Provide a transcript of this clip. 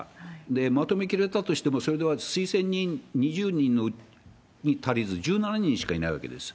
まとめきれたとしても、それでは推薦人２０人に足りず、１７人しかいないわけです。